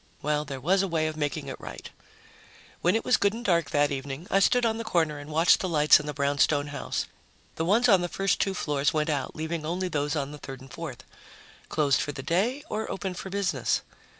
Well, there was a way of making it right. When it was good and dark that evening, I stood on the corner and watched the lights in the brownstone house. The ones on the first two floors went out, leaving only those on the third and fourth. Closed for the day ... or open for business?